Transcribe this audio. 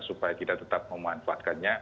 supaya kita tetap memanfaatkannya